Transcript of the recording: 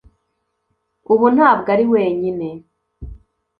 ubu ntabwo ari wenyine